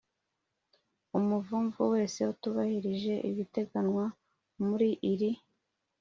umuvumvu wese utubahirije ibiteganywa muri iri